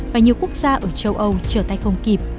và nhiều quốc gia ở châu âu trở tay không kịp